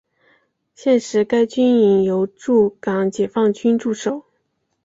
现时该军营由驻港解放军驻守。